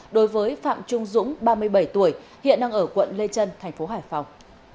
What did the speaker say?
đối với phạm trung dũng ba mươi bảy tuổi hiện đang ở quận lê trân thành phố hải phòng